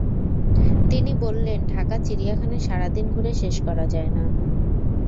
তিনি বললেন, ঢাকা চিড়িয়াখানা সারা দিন ঘুরে শেষ করা যায় না।